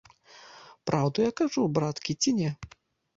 Праўду я кажу, браткі, ці не?